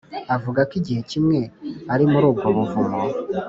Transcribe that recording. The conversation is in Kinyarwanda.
avuga ko igihe kimwe ari muri ubwo buvumo